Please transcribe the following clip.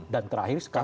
dan terakhir sekarang